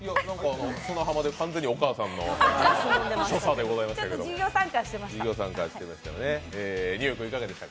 砂浜で、完全にお母さんの所作でしたけどちょっと授業参観してました。